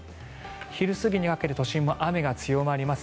昼過ぎにかけて都心も雨が強まります。